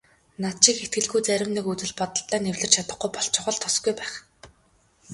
Над шиг итгэлгүй зарим нэг үзэл бодолтой нь эвлэрч чадахгүй болчихвол тусгүй байх.